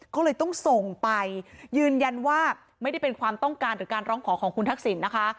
ก็เลยต้องส่งไปยืนยันว่าไม่ได้เป็นความต้องการหรือการร้องขอของคุณทักษิณนะคะ